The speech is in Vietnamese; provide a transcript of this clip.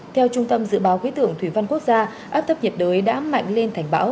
theo trung tâm dự báo khí tượng thủy văn quốc gia áp thấp nhiệt đới đã mạnh lên thành bão